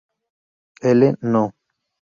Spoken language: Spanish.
L. No.